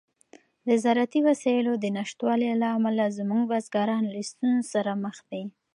د زراعتي وسایلو د نشتوالي له امله زموږ بزګران له ستونزو سره مخ دي.